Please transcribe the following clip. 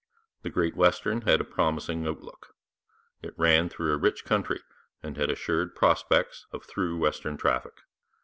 The Great Western had a promising outlook. It ran through a rich country and had assured prospects of through western traffic.